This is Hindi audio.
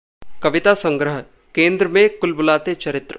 कविता संग्रह: केंद्र में कुलबुलाते चरित्र